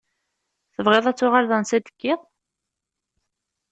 Tebɣiḍ ad tuɣaleḍ ansa i d-tekkiḍ?